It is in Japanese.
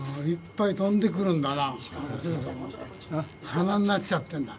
鼻なっちゃってんだ。